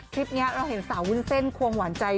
คลิปนี้เราเห็นสาววุ้นเส้นควงหวานใจ